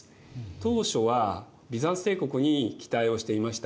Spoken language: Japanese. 当初はビザンツ帝国に期待をしていました。